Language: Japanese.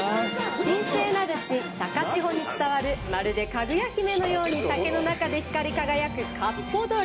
神聖なる地高千穂に伝わるまるで、かぐや姫のように竹の中で光り輝くかっぽ鶏。